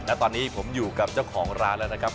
และตอนนี้ผมอยู่กับเจ้าของร้านแล้วนะครับ